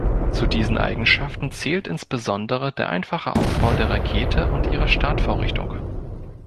Zu diesen Eigenschaften zählt insbesondere der einfache Aufbau der Rakete und ihrer Startvorrichtung.